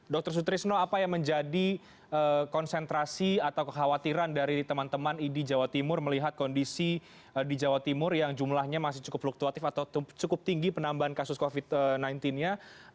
dr sutrisno apa yang menjadi konsentrasi atau kekhawatiran dari teman teman idi jawa timur melihat kondisi di jawa timur yang jumlahnya masih cukup fluktuatif atau cukup tinggi penambahan kasus covid sembilan belas nya